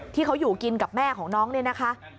ที่เขาอยู่กินกับแม่ของน้องเนี่ยนะคะ